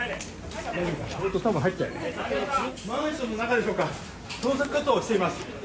マンションの中でしょうか捜索活動をしています。